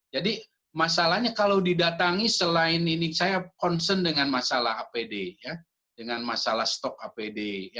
jadi masalahnya kalau didatangi selain ini saya concern dengan masalah apd dengan masalah stok apd